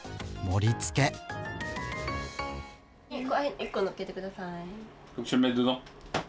１個のっけて下さい。